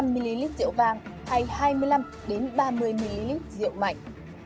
một trăm linh ml rượu vàng hay hai mươi năm ba mươi ml rượu mạnh